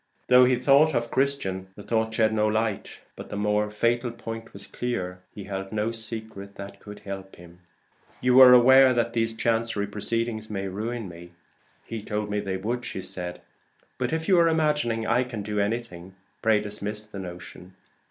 Though he thought of Christian, the thought shed no light; but the more fatal point was clear: he held no secret that could help him. "You are aware that these chancery proceedings may ruin me?" "He told me they would. But if you are imagining I can do anything, pray dismiss the notion.